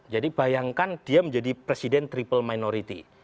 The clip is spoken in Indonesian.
jadi bayangkan dia menjadi presiden triple minority